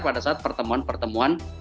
pada saat pertemuan pertemuan